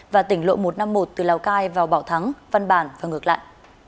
và tỉnh lộ một trăm năm mươi một từ lào cai vào bảo thắng văn bản và ngược lại